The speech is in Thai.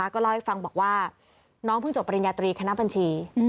ก็เล่าให้ฟังบอกว่าน้องเพิ่งจบปริญญาตรีคณะบัญชี